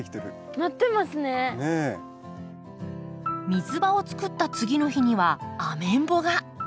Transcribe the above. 水場を作った次の日にはアメンボが。